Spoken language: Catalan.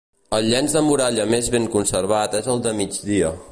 El llenç de muralla més ben conservat és el de migdia.